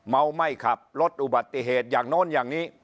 ไม่ขับรถอุบัติเหตุอย่างโน้นอย่างนี้